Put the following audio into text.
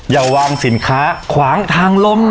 อย่าวางสินค้าขวางทางลม